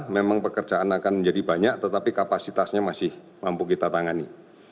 memang pekerjaan akan menjadi banyak tetapi kapasitasnya masih mampu kita tangani